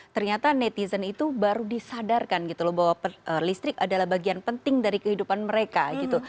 ternyata netizen itu baru disadarkan gitu loh bahwa listrik adalah bagian penting dari kehidupan mereka gitu